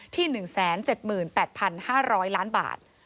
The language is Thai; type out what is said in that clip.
ที่๑๗๘๕๐๐ล้านบาท